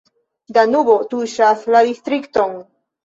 Danubo tuŝas la distrikton.